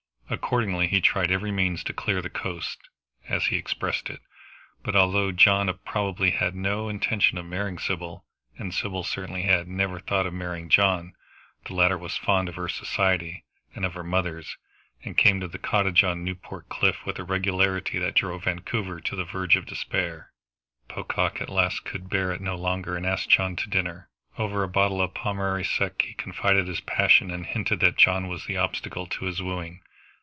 Accordingly he tried every means to clear the coast, as he expressed it; but although John probably had no intention of marrying Sybil, and Sybil certainly had never thought of marrying John, the latter was fond of her society, and of her mother's, and came to the cottage on the Newport cliff with a regularity that drove Vancouver to the verge of despair. Pocock at last could bear it no longer and asked John to dinner. Over a bottle of Pommery Sec he confided his passion, and hinted that John was the obstacle to his wooing.